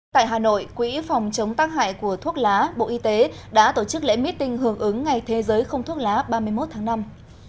tại hà nội quỹ phòng chống tác hại của thuốc lá bộ y tế đã tổ chức lễ meeting hưởng ứng ngày thế giới không thuốc lá ba mươi một tháng năm